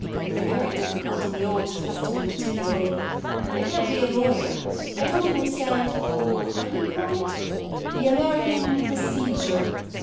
They're very difficult, in the Old Testament particularly. I can't be a lawyer; I don't understand how do you call it? the American procedure.